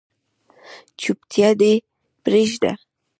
چوپتیا دې پریږده